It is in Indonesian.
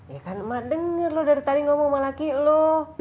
ya kan mak dengar dari tadi ngomong sama laki lo